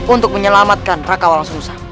untuk menyelamatkan rakawang sengusa